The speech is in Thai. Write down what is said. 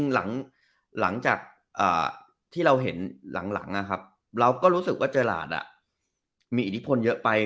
หลังจากที่เราเห็นหลังเราก็รู้สึกว่าเจอหลานมีอิทธิพลเยอะไป